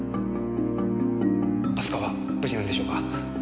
明日香は無事なんでしょうか？